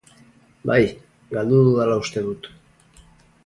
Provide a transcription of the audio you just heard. Bai, galdu dudala uste dut.